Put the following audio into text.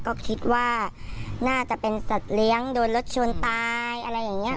ก็คิดว่าน่าจะเป็นสัตว์เลี้ยงโดนรถชนตายอะไรอย่างนี้